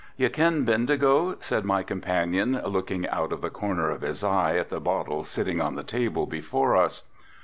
"You ken Bendigo," said my companion, looking out of the corner of his eye at the bottle sitting on the table before us.